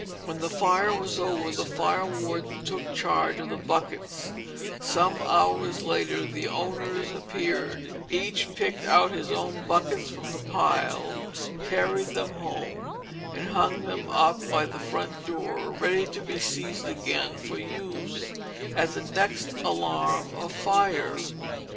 When the fire was over, the fire warden took charge of the buckets; some hours later the owners appeared, each picked out his own buckets from the pile, carried them home, and hung them up by the front door, ready to be seized again for use at the next alarm of fire.